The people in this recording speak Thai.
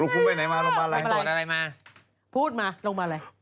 พูดมาลงมาไหน